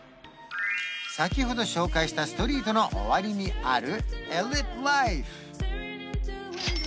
先ほど紹介したストリートの終わりにあるエリットライフ